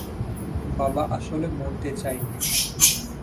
বাবা আসলে মারতে চায়নি।